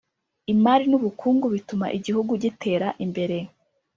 Imari n Ubukungu bituma igihugu gitera imbere